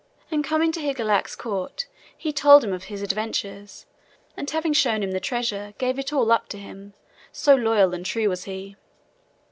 And coming to Higelac's court, he told him of his adventures, and having shown him the treasure, gave it all up to him, so loyal and true was he.